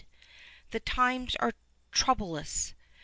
The times are troublous.